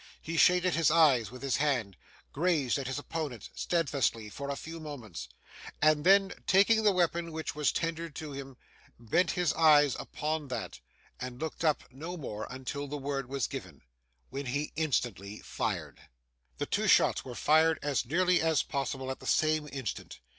He shaded his eyes with his hand; grazed at his opponent, steadfastly, for a few moments; and, then taking the weapon which was tendered to him, bent his eyes upon that, and looked up no more until the word was given, when he instantly fired. The two shots were fired, as nearly as possible, at the same instant.